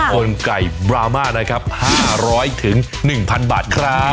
คนไก่บรามานะครับ๕๐๐๑๐๐บาทครับ